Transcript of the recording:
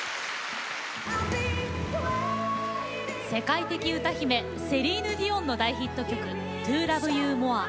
世界的歌姫セリーヌ・ディオンの大ヒット曲「ＴＯＬＯＶＥＹＯＵＭＯＲＥ」。